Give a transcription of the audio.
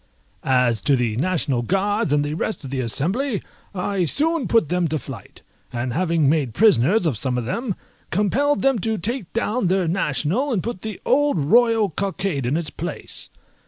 As to the National Guards and the rest of the Assembly, I soon put them to flight; and having made prisoners of some of them, compelled them to take down their national, and put the old royal cockade in its place.